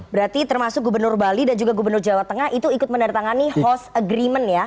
berarti termasuk gubernur bali dan juga gubernur jawa tengah itu ikut menandatangani host agreement ya